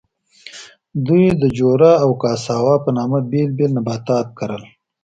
دوی د جورا او کاساوا په نامه بېلابېل نباتات کرل.